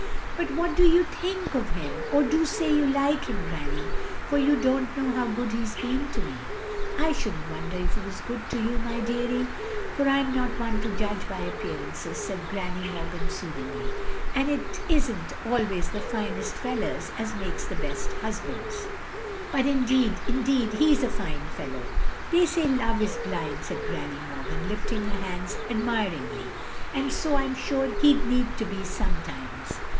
"But what do you think of him? Oh, do say you like him, Granny; for you don't know how good he 's been to me. " "I should n't wonder if he was good to you, my deary; for I *m not one to judge by appear ances," said Granny Morgan, soothingly, "and 't is n't always the finest fellars as makes the best husbands. " "But indeed — ^indeed, he is a fine fellow "" They says Love is blind, " said Granny Morgan, lifting her hands admiringly, "and so I 'm sure he 'd need to be sometimes.